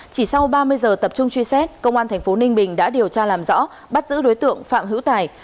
chỉ sau ba mươi giờ tập trung truy xét công an tp ninh bình đã điều tra làm rõ bắt giữ đối tượng phạm hữu tài